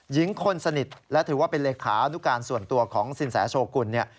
หญิงคนสนิทและถือว่าเป็นเลขานุการส่วนตัวของสินแสโชกุลเนี่ย